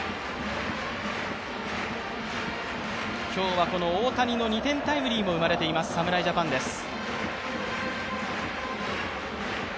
今日は大谷の２点タイムリーも生まれています侍ジャパンです。